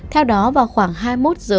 theo đó vào khoảng hai mươi một giờ